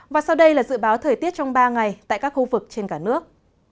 và sau đây là dự báo thời tiết trong ba ngày tại các khu vực trên cả nước